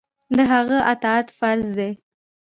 د هغه اطاعت فرض دی.